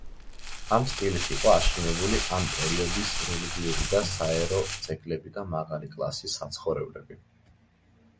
ამ სტილით იყო აშენებული ამ პერიოდის რელიგიური და საერო ძეგლები და მაღალი კლასის საცხოვრებლები.